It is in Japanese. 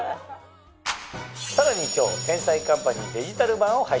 さらに今日『天才‼カンパニー』デジタル版を配信。